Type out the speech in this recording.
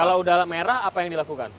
kalau udahlah merah apa yang dilakukan